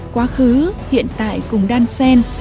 quá khứ hiện tại cùng đan sen